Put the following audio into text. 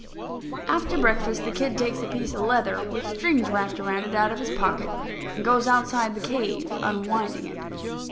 After breakfast the kid takes a piece of leather with strings wrapped around it out of his pocket and goes outside the cave unwinding it.